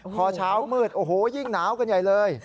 พอเช้ามืดโอ้โหยิ่งหนาวกันใหญ่เลย